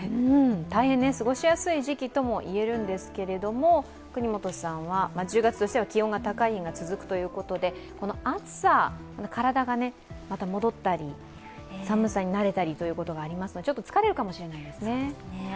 大変過ごしやすい時期ともいえるんですが、國本さんは１０月としては気温が高い日が続くということで暑さに体が、また戻ったり、寒さに慣れたりということがありますからちょっと疲れるかもしれないですね。